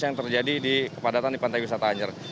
yang terjadi di kepadatan di pantai wisata anyer